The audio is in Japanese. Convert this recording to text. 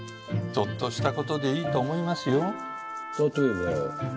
ちょっとした事でいいと思いますよ。